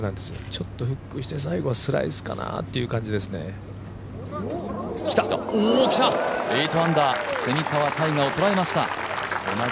ちょっとフックして、最後はスライスかなって感じかな。